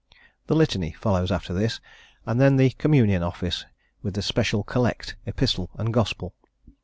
The Litany follows after this, and then the Communion Office, with special Collect, Epistle, and Gospel.